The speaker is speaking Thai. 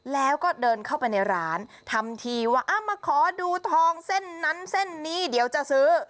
แล้วก็เดินเข้าไปในร้านทำทีว่ามาขอดูทองเส้นนั้นเส้นนี้เดี๋ยวจะซื้อ